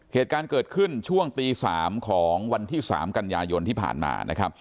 เหตุการณ์เกิดขึ้นช่วงตี๓ของวันที่๓กันยายนที่ผ่านมานะครับ